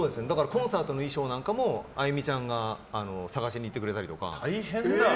コンサートの衣装とかもあゆみちゃんが探しに行ってくれたりとか。